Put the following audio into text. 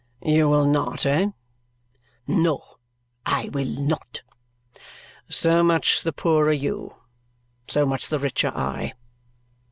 "You will not, eh?" "No, I will not!" "So much the poorer you; so much the richer I!